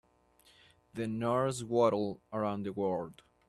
The nurse waddled around the ward.